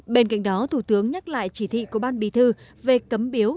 bên cạnh đó thủ tướng nhắc lại chỉ thị của ban bì thư về cấm biếu